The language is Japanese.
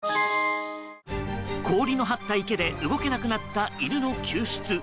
氷の張った池で動けなくなった犬の救出。